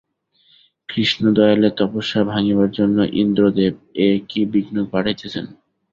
কৃষ্ণদয়ালের তপস্যা ভাঙিবার জন্য ইন্দ্রদেব এ কী বিঘ্ন পাঠাইতেছেন!